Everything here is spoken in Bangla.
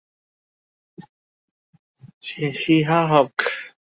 এবারের টি-টোয়েন্টি বিশ্বকাপের মূল পর্ব শুরুই হয়েছিল ভারত-পাকিস্তানের হাই ভোল্টেজ ম্যাচ দিয়ে।